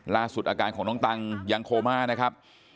อาการของน้องตังยังโคม่านะครับ